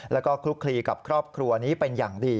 แล้วก็คลุกคลีกับครอบครัวนี้เป็นอย่างดี